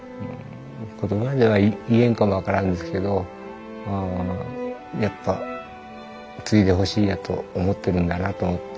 言葉では言えんかも分からんですけどやっぱ継いでほしいなと思ってるんだなと思って。